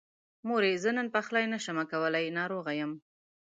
مورې! زه نن پخلی نشمه کولی، ناروغه يم.